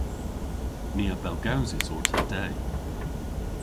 Ni a bellgewsis orta de.